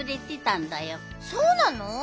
そうなの？